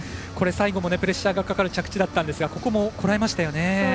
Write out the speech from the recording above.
最後もプレッシャーがかかる着地だったんですがここも、こらえましたよね。